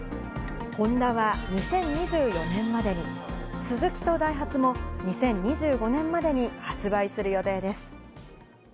ホンダは２０２４年までに、スズキとダイハツも２０２５年までに、発売する予定です。